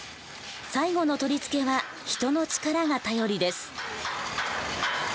最後の取り付けは人の力が頼りです。